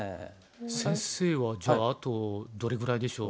先生はじゃああとどれぐらいでしょう？